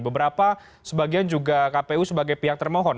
beberapa sebagian juga kpu sebagai pihak termohon